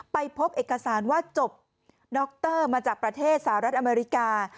ไปพบเอกสารว่าจบดรมาจากประเทศสหรัฐอเมริกา